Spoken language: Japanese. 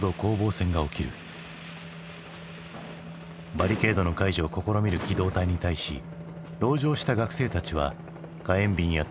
バリケードの解除を試みる機動隊に対し籠城した学生たちは火炎瓶や投石で抵抗。